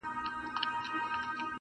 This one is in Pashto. خو هيڅ نه سي ويلای تل,